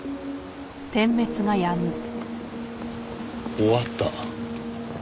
終わった。